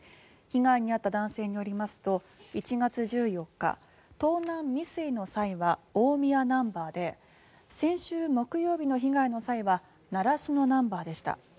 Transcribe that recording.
被害に遭った男性によりますと１月１４日、盗難未遂の際は大宮ナンバーで先週木曜日の被害の際は習志野ナンバーでした。